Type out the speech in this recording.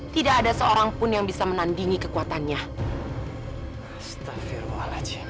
tidak ada seorang pun yang bisa menandingi kekuatannya